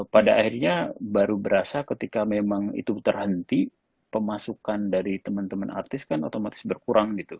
pada akhirnya baru berasa ketika memang itu terhenti pemasukan dari teman teman artis kan otomatis berkurang gitu